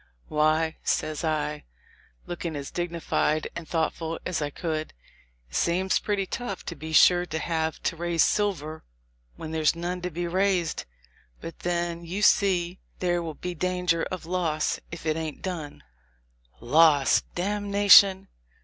"Why," says I, looking as digni fied and thoughtful as I could, "it seems pretty tough, to be sure, to have to raise silver where there's none to be raised ; but then you see, 'there will be danger of loss' if it ain't done." "Loss ! damnation